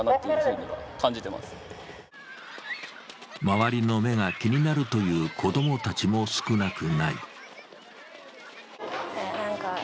周りの目が気になるという子供たちも少なくない。